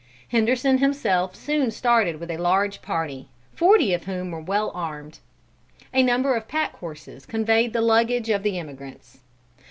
Henderson himself soon started with a large party, forty of whom were well armed. A number of pack horses conveyed the luggage of the emigrants.